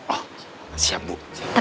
oh siap bu siap